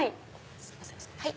すいません。